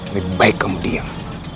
lebih baik kamu diam